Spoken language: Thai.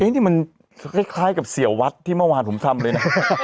นี่มันคล้ายกับเสียวัดที่เมื่อวานผมทำเลยนะ